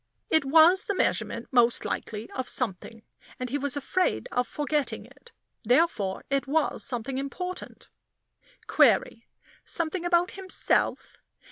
It was the measurement most likely of something, and he was afraid of forgetting it; therefore it was something important. Query something about himself?